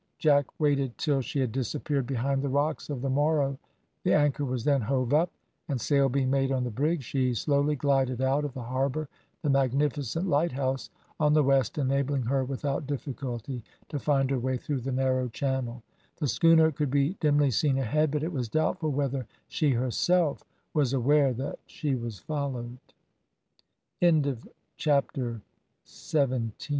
Jack waited till she had disappeared behind the rocks of the Moro: the anchor was then hove up, and sail being made on the brig, she slowly glided out of the harbour, the magnificent lighthouse on the west enabling her without difficulty to find her way through the narrow channel. The schooner could be dimly seen ahead, but it was doubtful whether she herself was aware that she was followed. CHAPTER EIGHTEEN.